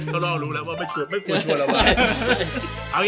ก็รู้แล้วว่าไม่ควรชวนระวัย